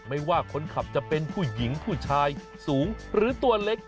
ไม่ว่าคนขับจะเป็นผู้หญิงผู้ชายสูงหรือตัวเล็ก